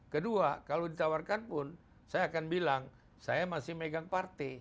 kedua kalau ditawarkan pun saya akan bilang saya masih megang partai